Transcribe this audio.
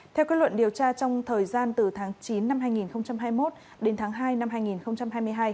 theo quyết luận điều tra trong thời gian từ tháng chín năm hai nghìn hai mươi một đến tháng hai năm hai nghìn hai mươi hai